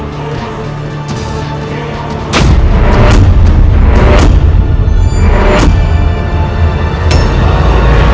kau akan menang